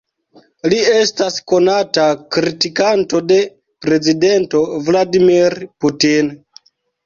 Li estas konata kritikanto de prezidento Vladimir Putin.